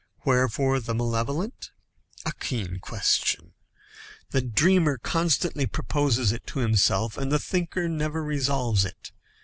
Wherefore the malevolent? A keen question! The dreamer constantly proposes it to himself, and the thinker never resolves it.